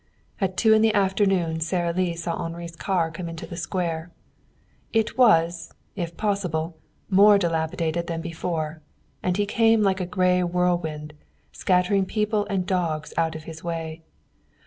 At two in the afternoon Sara Lee saw Henri's car come into the square. It was, if possible, more dilapidated than before, and he came like a gray whirlwind, scattering people and dogs out of his way.